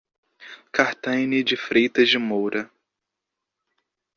Carteggane de Freitas de Moura